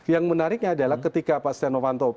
yang menariknya adalah ketika pak stenovanto